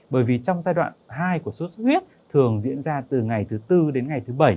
bởi vì trong giai đoạn hai của sốt xuất huyết thường diễn ra từ ngày thứ tư đến ngày thứ bảy